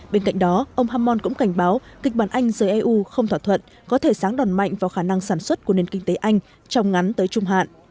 bên cạnh đó ông hammon cũng cảnh báo kịch bản anh giới eu không thỏa thuận có thể sáng đòn mạnh vào khả năng sản xuất của nền kinh tế anh trong ngắn tới trung hạn